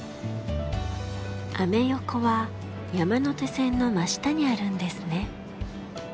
アメ横は山手線の真下にあるんですね。